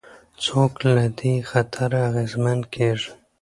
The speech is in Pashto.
څوک له دې خطره اغېزمن کېږي؟